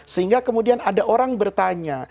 sehingga kemudian ada orang bertanya